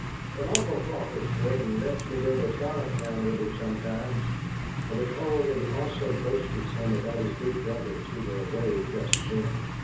But Uncle Crawford's good, an' lets me go to Charlotte Town with him sometimes." I recall that he also boasted some about his big brothers, who were away just then.